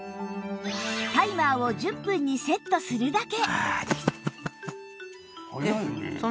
タイマーを１０分にセットするだけ